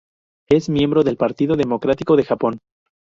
Es miembro del Partido Democrático de Japón.